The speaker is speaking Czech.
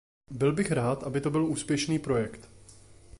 Byl bych rád, aby to byl úspěšný projekt.